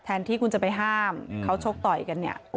ที่คุณจะไปห้ามเขาชกต่อยกันเนี่ย